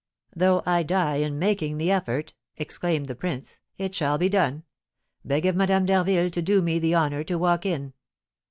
"Though I die in making the effort," exclaimed the prince, "it shall be done. Beg of Madame d'Harville to do me the honour to walk in."